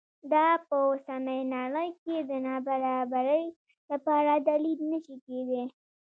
دا په اوسنۍ نړۍ کې د نابرابرۍ لپاره دلیل نه شي کېدای.